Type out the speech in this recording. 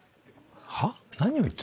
はっ？